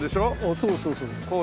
そうそうそう。